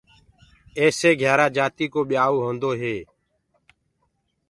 ايسي گھيآرآ جآتيٚ ڪو ٻيآئو هوندو هي۔